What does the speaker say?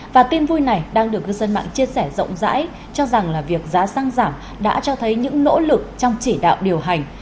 và tin vui này đang được cư dân mạng chia sẻ rộng rãi cho rằng là việc giá xăng giảm đã cho thấy những nỗ lực trong chỉ đạo điều hành